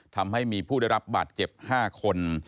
ทำให้มีผู้ได้รับบาดเจ็บ๕คน